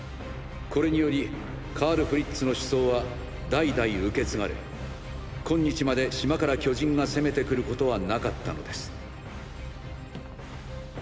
これによりカール・フリッツの思想は代々受け継がれ今日まで島から巨人が攻めてくることはなかったのです。